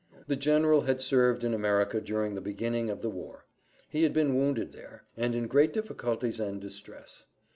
The general had served in America during the beginning of the war; he had been wounded there, and in great difficulties and distress.